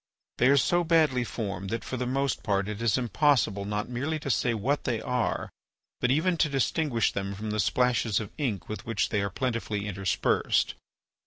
They are so badly formed that for the most part it is impossible not merely to say what they are, but even to distinguish them from the splashes of ink with which they are plentifully interspersed.